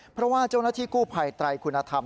เพราะว่าเจ้าหน้าที่กู้ภัยไตรคุณธรรม